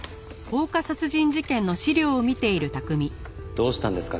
どうしたんですか？